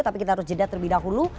tapi kita harus jeda terlebih dahulu